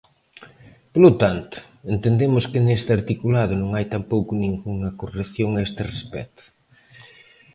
Polo tanto, entendemos que neste articulado non hai tampouco ningunha corrección a este respecto.